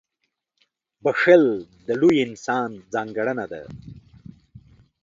• بښل د لوی انسان ځانګړنه ده.